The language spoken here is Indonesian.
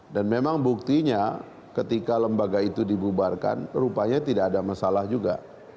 dan memang buktinya ketika lembaga itu dibubarkan rupanya tidak ada masalah juga